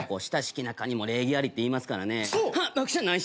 親しき仲にも礼儀ありって言いますからね。